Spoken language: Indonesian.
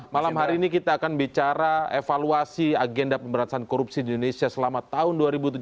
malam hari ini kita akan bicara evaluasi agenda pemberantasan korupsi di indonesia selama tahun dua ribu tujuh belas